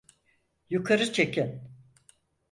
Yukarı çekin!